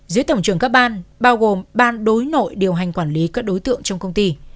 dưới tổng trưởng các ban bao gồm ban đối nội điều hành quản lý các đối tượng trong công ty